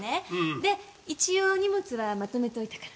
で一応荷物はまとめておいたから。